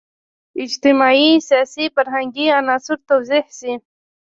اجتماعي، سیاسي، فرهنګي عناصر توضیح شي.